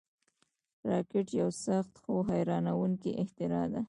راکټ یو سخت، خو حیرانوونکی اختراع ده